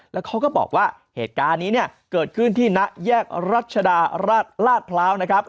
แล้วเขาก็บอกว่าเหตุการณ์นี้เนี่ยเกิดขึ้นที่ณแยกรัชดาราชพร้าวนะครับ